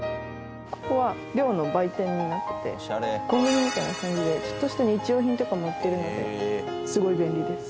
ここは寮の売店になっててコンビニみたいな感じでちょっとした日用品とかも売ってるのですごい便利です。